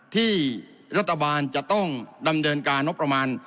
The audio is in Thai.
ที่รัฐบาลจะต้องดำเนินการงบประมาณ